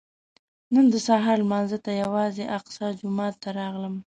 نن د سهار لمانځه ته یوازې الاقصی جومات ته راغلم.